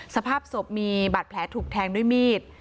สภาพศพมีบาดแผลถูกแทงด้วยมีด